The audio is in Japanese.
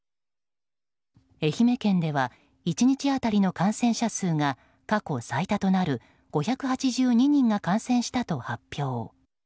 愛媛県では１日当たりの感染者数が過去最多となる５８２人が感染したと発表。